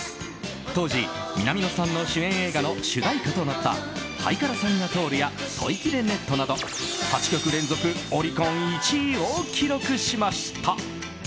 当時、南野さんの主演映画の主題歌となった「はいからさんが通る」や「吐息でネット。」など８曲連続オリコン１位を記録しました。